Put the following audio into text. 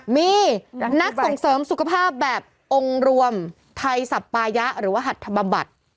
มีนักส่งเสริมสุขภาพแบบองค์รวมไทยสัปปายะหรือว่าหัตธบำบัด